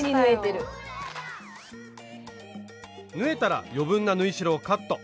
縫えたら余分な縫い代をカット。